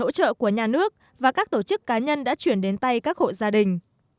hỗ trợ của nhà nước và các tổ chức cá nhân đã chuyển đến tay các hộ gia đình